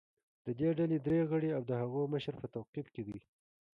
د دې ډلې درې غړي او د هغو مشر په توقیف کې دي